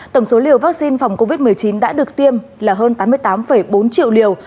tổng số liều vaccine phòng covid một mươi chín đã được tiêm là hơn tám mươi tám bốn triệu liều